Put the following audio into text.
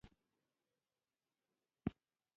څه پلار دې مړ دی؛ چې لاس تر زنې ناست يې.